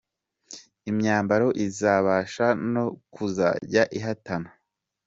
Imyambaro Izabasha no kuzajya ihatana.